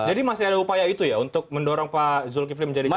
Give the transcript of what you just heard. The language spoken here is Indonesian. jadi masih ada upaya itu ya untuk mendorong pak zulkifli menjadi capres